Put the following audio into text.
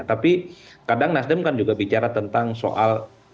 tapi kadang nasdem kan juga bicara tentang soal